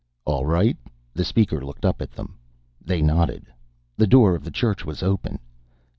"All right?" The Speaker looked up at them. They nodded. The door of the Church was open.